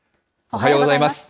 おはようございます。